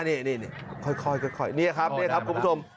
นี่ค่อยนี่ครับนี่ครับคุณผู้ชม